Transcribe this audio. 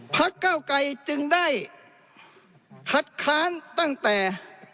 พักเก้าไกรจึงได้คัดค้านตั้งแต่